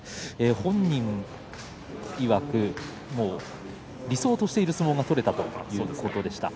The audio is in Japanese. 本人いわく、理想としている相撲が取れたという話でした。